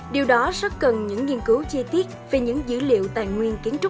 điều đó rất cần những nghiên cứu chi tiết về những dữ liệu tài nguyên kiến trúc